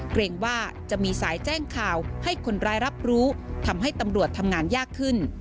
เกรงว่าจะมีสายแจ้งข่าวให้คนร้ายรับรู้ทำให้ตำรวจทำงานยากขึ้น